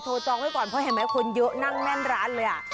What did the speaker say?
จองไว้ก่อนเพราะเห็นไหมคนเยอะนั่งแน่นร้านเลยอ่ะ